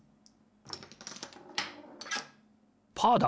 パーだ！